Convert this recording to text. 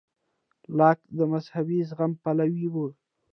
لاک د مذهبي زغم پلوی و.